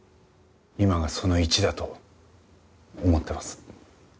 今がその「一」だと思ってます。